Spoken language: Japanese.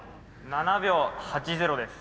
７秒８０です。